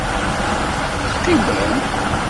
I teqqimem?